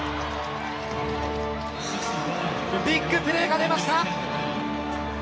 ビッグプレーが出ました！